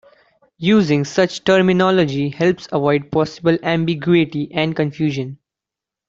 Using such terminology helps avoid possible ambiguity and confusion.